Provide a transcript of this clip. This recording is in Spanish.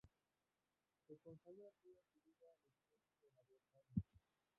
Se consagra toda su vida al estudio de la botánica.